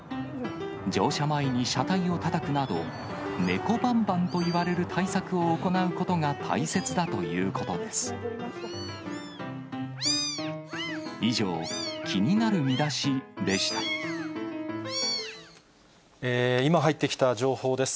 乗車前に車体をたたくなど、ネコバンバンといわれる対策を行うことが大切だということです。